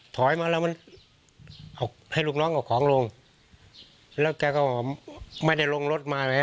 ถอยมาแล้วมันเอาให้ลูกน้องเอาของลงแล้วแกก็ไม่ได้ลงรถมาเลย